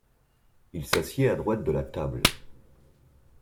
Il s’assied à droite de la table.